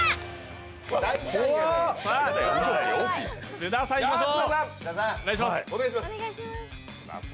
津田さん、いきましょう！